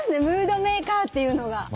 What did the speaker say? ムードメーカーっていうのが。